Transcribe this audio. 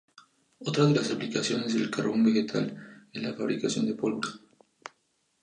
Otra de las aplicaciones del carbón vegetal es la fabricación de pólvora.